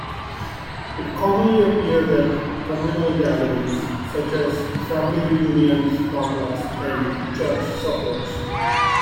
It commonly appears at communal gatherings such as family reunions, potlucks and church suppers.